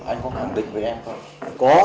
anh có khẳng định với em không